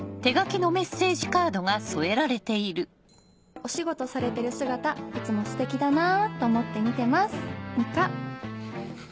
「お仕事されてる姿いつも素敵だなと思って見てます実花」。